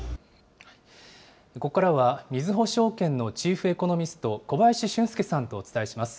ここからは、みずほ証券のチーフエコノミスト、小林俊介さんとお伝えします。